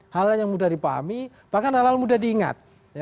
hal hal yang mudah dipahami bahkan hal hal mudah diingat